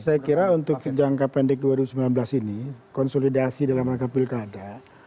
saya kira untuk jangka pendek dua ribu sembilan belas ini konsolidasi dalam rangka pilkada